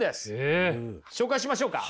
紹介しましょうか？